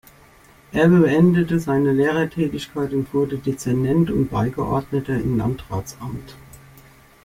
Er beendete seine Lehrertätigkeit und wurde Dezernent und Beigeordneter im Landratsamt.